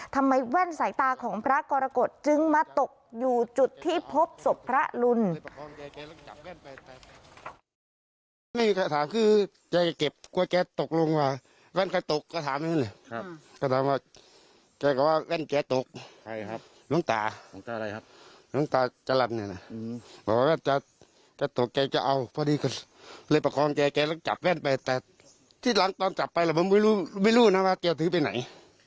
แว่นสายตาของพระกรกฎจึงมาตกอยู่จุดที่พบศพพระลุน